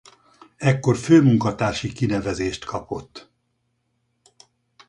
Ekkor főmunkatársi kinevezést kapott.